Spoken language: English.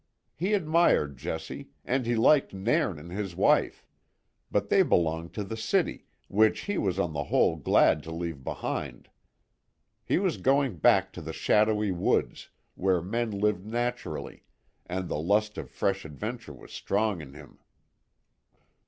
He admired Jessie, and he liked Nairn and his wife; but they belonged to the city, which he was on the whole glad to leave behind. He was going back to the shadowy woods, where men lived naturally, and the lust of fresh adventure was strong in him.